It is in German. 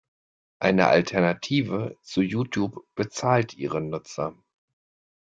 Eine Alternative zu YouTube bezahlt Ihre Nutzer.